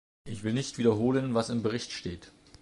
Ich will nicht wiederholen, was im Bericht steht.